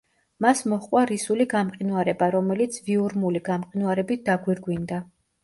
მას მოჰყვა რისული გამყინვარება, რომელიც ვიურმული გამყინვარებით დაგვირგვინდა.